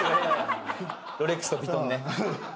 ・ロレックスとヴィトンね。